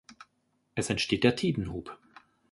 Es entsteht der Tidenhub.